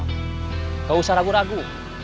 nggak usah ragu ragu